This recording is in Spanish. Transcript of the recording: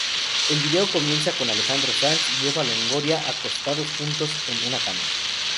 El video comienza con Alejandro Sanz y Eva Longoria acostados juntos en una cama.